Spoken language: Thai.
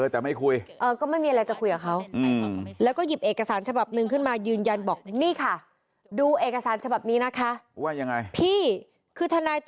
แต่ไม่มีอะไรจะคุยกับเขา